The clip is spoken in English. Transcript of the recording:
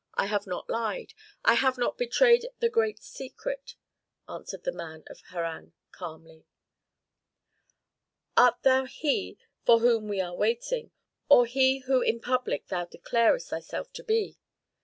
I have not lied. I have not betrayed the great secret," answered the man of Harran, calmly. "Art thou he for whom we are waiting, or he who in public thou declarest thyself to be?"